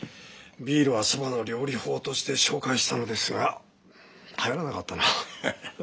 ビイルは蕎麦の料理法として紹介したのですがはやらなかったな。